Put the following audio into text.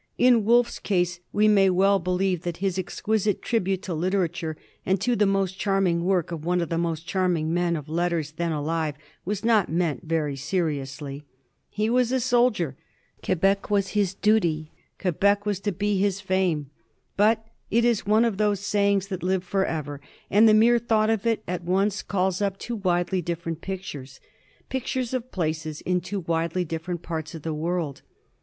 In Wolfe's case we may well be lieve that his exquisite tribute to literature, and to the most charming work of one of the most charming men of letters then alive, was not meant very seriously. He was a soldier; Quebec was his duty ; Quebec was to be his fame. But it is one of those sayings that live forever, and the mere thought of it at once calls up two widely different pictures, pictures of places in two widely differ ent parts of the world.